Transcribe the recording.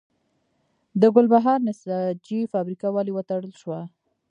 د ګلبهار نساجي فابریکه ولې وتړل شوه؟